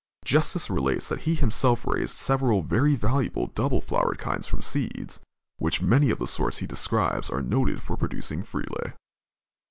Justice relates that he himself raised several very valuable double flowered kinds from seeds, which many of the sorts he describes are noted for producing freely.